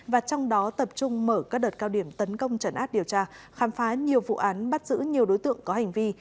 và trong đó tập trung mở các đợt cao điểm tấn công trần át điều tra khám phá nhiều vụ án bắt giữ nhiều đối tượng có hành vi